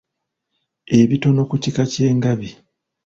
Ebitono ku kika ky'engabi.